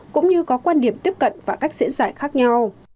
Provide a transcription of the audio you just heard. cũng như có quan điểm tiếp cận và cách diễn giải khác nhau